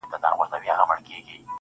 سونډان مي سوى وكړي_